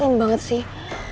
serem banget sih